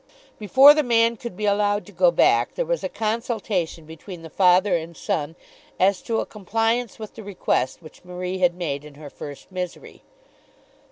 Before the man could be allowed to go back, there was a consultation between the father and son as to a compliance with the request which Marie had made in her first misery.